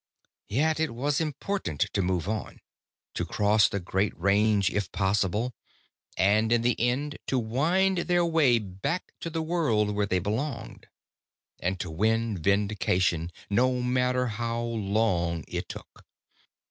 Yet it was important to move on, to cross the Great Range if possible, and in the end to wind their way back to the world where they belonged. And to win vindication, no matter how long it took.